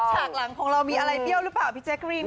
ฉากหลังของเรามีอะไรเบี้ยวหรือเปล่าพี่แจ๊กรีน